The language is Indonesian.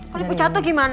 kalau ibu jatuh gimana